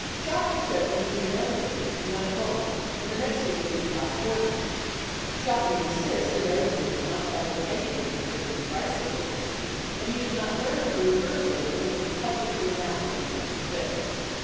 81 Chotiner says the meeting ended, lie went home and the next day flew to California. Chotiner insists that Ehrlichman did not tell him anything concerning the price support decision and he did not learn of the reversal until it was publicly announced on the 25th.